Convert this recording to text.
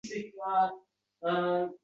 Xasta bo'lganingizda mendan ko'proq kuyundi.